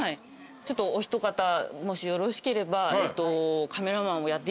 ちょっとお一方もしよろしければ。